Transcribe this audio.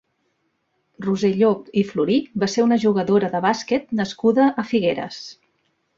Roser Llop i Florí va ser una jugadora de bàsquet nascuda a Figueres.